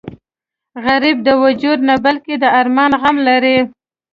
غریب د وجود نه بلکې د ارمان غم لري